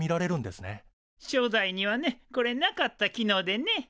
初代にはねこれなかった機能でね。